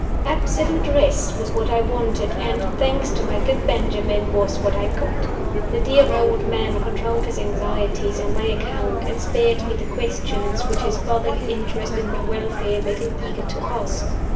Absolute rest was what I wanted, and (thanks to my good Benjamin) was what I got. The dear old man controlled his anxieties on my account, and spared me the questions which his fatherly interest in my welfare made him eager to ask.